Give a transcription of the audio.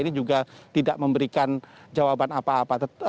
ini juga tidak memberikan jawaban apa apa